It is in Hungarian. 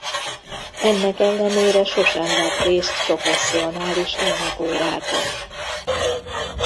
Ennek ellenére sosem vett részt professzionális énekórákon.